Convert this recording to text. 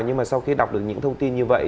nhưng mà sau khi đọc được những thông tin như vậy